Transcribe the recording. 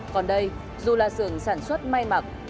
còn đây dù là sường sản xuất may mặc